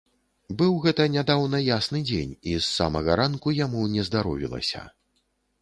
Быў гэта нядаўна ясны дзень, і з самага ранку яму нездаровілася.